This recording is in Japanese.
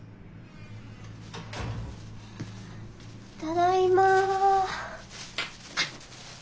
・ただいま。